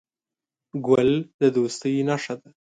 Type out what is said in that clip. ګل د دوستۍ نښه ده.